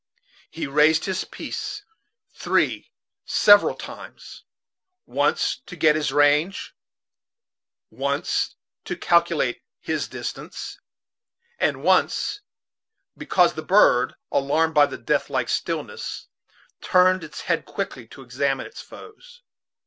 He raised his piece three several times: once to get his range; once to calculate his distance; and once because the bird, alarmed by the death like stillness, turned its head quickly to examine its foes.